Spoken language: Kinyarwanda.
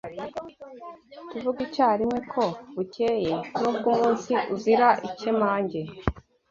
Tuvuga icyarimwe ko bukeye N’ ubwo umunsi uzira ikemange